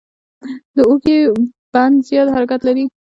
د اوږې بند زیات حرکت لري.